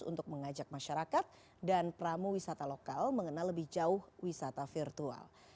untuk mengajak masyarakat dan pramu wisata lokal mengenal lebih jauh wisata virtual